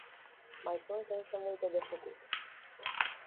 Mai sunt însă multe de făcut.